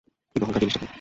কিন্তু অহংকার জিনিসটা কি?